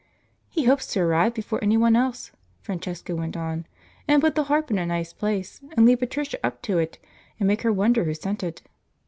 "He hoped to arrive before any one else," Francesca went on, "and put the harp in a nice place, and lead Patricia up to it, and make her wonder who sent it.